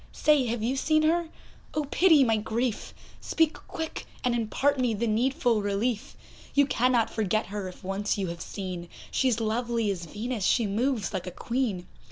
Say, have you seen her? oh, pity my grief! Speak quick, and impart me the needful relief; You cannot forget her, if once you have seen, She's lovely as Venus, she moves like a Queen.